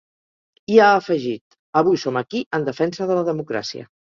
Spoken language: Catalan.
I ha afegit: Avui som aquí en defensa de la democràcia.